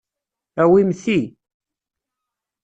Awim ti.